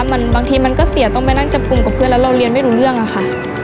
บางทีมันก็เสียต้องไปนั่งจับกลุ่มกับเพื่อนแล้วเราเรียนไม่รู้เรื่องอะค่ะ